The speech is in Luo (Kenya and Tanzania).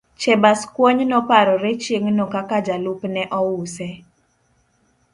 Chebaskwony noparore chieng' no kaka jalupne ouse.